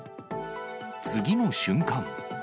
次の瞬間。